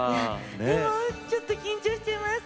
でもちょっと緊張してます。